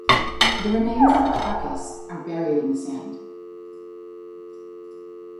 The remains of the carcass are buried in the sand.